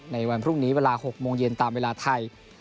ในวันพรุ่งนี้เวลา๖โมงเย็นตามเวลาไทย